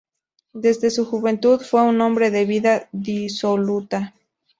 Desde su juventud fue un hombre de vida disoluta.